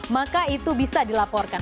maka itu bisa dilaporkan